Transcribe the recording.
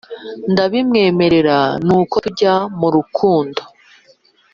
Ndabimwemerera nuko tujya mu rukundo